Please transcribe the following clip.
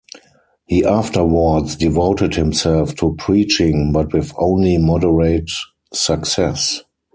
He afterwards devoted himself to preaching, but with only moderate success.